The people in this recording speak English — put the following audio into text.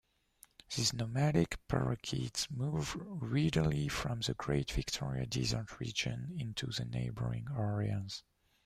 These nomadic parakeets move readily from the Great Victoria Desert region into neighbouring areas.